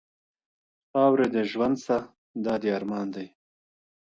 خاوري دي ژوند سه، دا دی ارمان دی.